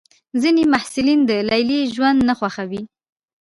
ځینې محصلین د لیلیې ژوند نه خوښوي.